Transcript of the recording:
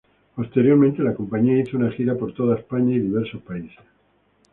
Posteriormente la compañía hizo una gira por toda España y diversos países.